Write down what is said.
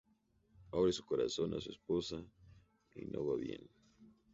Abre su corazón a su esposa, y no va bien.